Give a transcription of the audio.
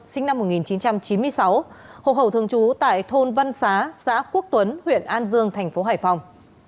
sinh năm một nghìn chín trăm chín mươi sáu học hậu thường trú tại thôn văn xá xã quốc tuấn huyện an dương tp hải phòng